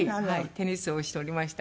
テニスをしておりました。